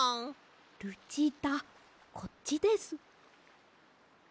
ルチータこっちです。